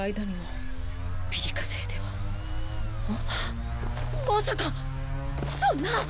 まさかそんな！